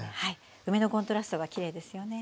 梅のコントラストがきれいですよね。